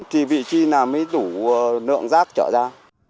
thì vị trí là mới đủ lượng rác trở ra